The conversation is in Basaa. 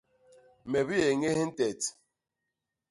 Me biéñés ntet.